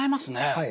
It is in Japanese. はい。